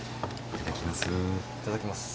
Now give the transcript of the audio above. いただきます。